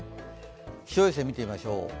気象衛星見てみましょう。